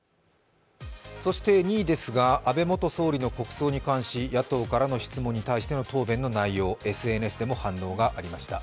そして２位ですが、安倍元総理の国葬に関し、野党からの質問に対しての答弁の内容、ＳＮＳでも反応がありました。